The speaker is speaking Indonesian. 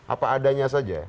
apa adanya saja